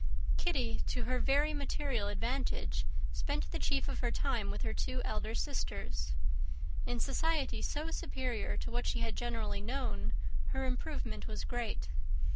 Kitty, to her very material advantage, spent the chief of her time with her two elder sisters. In society so superior to what she had generally known, her improvement was great.